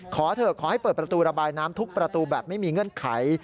ขอเถอะขอให้เปิดประตูระบายน้ำทุกประตูแบบไม่มีเงื่อนไข